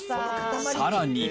さらに。